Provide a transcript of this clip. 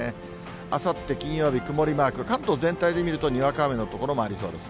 あさって金曜日、曇りマーク、関東全体で見ると、にわか雨の所もありそうです。